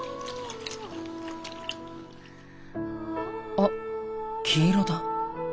あっ黄色だ。